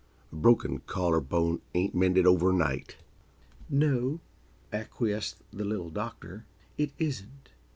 A broken collar bone ain't mended overnight." "No," acquiesced the Little Doctor, "it isn't."